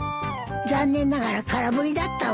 残念ながら空振りだったわ。